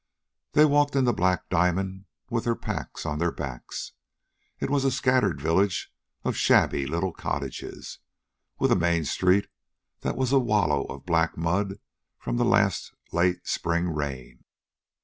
They walked into Black Diamond with their packs on their backs. It was a scattered village of shabby little cottages, with a main street that was a wallow of black mud from the last late spring rain.